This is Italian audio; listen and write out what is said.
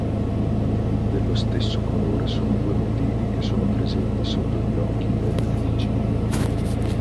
Dello stesso colore sono due motivi che sono presenti sotto gli occhi del Digimon.